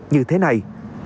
như thế này